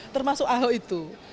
termasuk aho itu